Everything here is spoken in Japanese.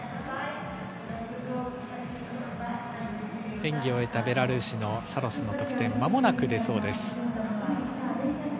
演技を終えたベラルーシのサロスの得点、間もなく出そうです。